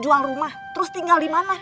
jual rumah terus tinggal dimana